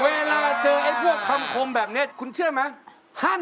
เวลาเจอไอ้พวกคำคมแบบนี้คุณเชื่อไหม